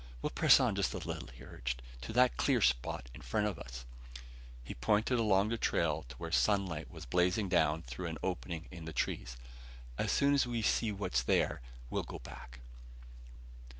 "We'll press on just a little," he urged. "To that clear spot in front of us." He pointed along the trail to where sunlight was blazing down through an opening in the trees. "As soon as we see what's there, we'll go back."